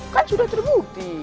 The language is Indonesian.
kan sudah terbukti